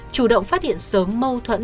chủ động phát hiện sớm mâu thuẫn